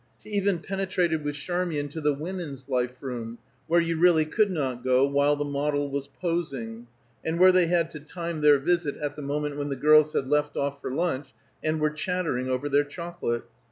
She even penetrated with Charmian to the women's life room, where you really could not go while the model was posing, and where they had to time their visit at the moment when the girls had left off for lunch, and were chattering over their chocolate.